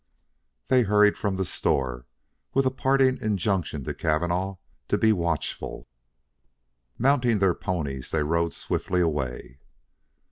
They hurried from the store, with a parting injunction to Cavanagh to be watchful. Mounting their ponies they rode swiftly away.